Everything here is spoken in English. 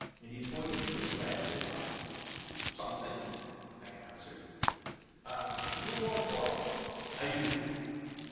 And he pointed to a sledge near, by. "Something," I answered. "And you want work?" "I do."